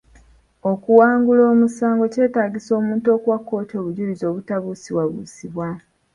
Okuwangula omusango kyetaagisa omuntu okuwa kkooti obujjulizi obutabuusibwabuusibwa.